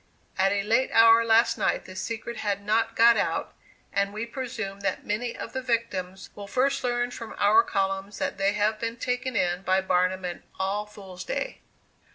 At a late hour last night the secret had not got out, and we presume that many of the victims will first learn from our columns that they have been taken in by BARNUM and All Fools' Day!"